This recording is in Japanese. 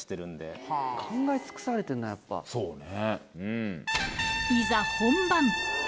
そうね。